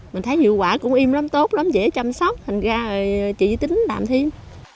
mình thấy hiệu quả cũng im lắm tốt lắm dễ chăm sóc thành ra chỉ tính đạm thêm